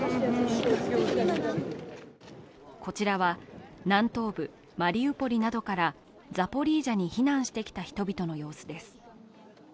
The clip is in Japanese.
こちらは、南東部マリウポリなどからザポリージャに避難してきた人々の様子です。